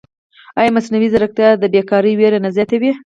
ایا مصنوعي ځیرکتیا د بېکارۍ وېره نه زیاتوي؟